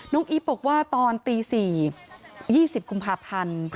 น้องอีฟบอกว่าตอนตี๔ที่๒๐คุมภาพันธ์